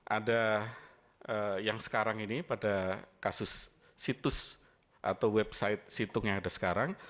ada yang sekarang ini pada kasus situs atau website situng yang ada sekarang